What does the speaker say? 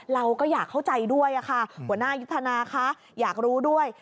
เราก็อยากเข้าใจด้วยค่ะหัวหน้ายุทธนาคะอยากรู้ด้วย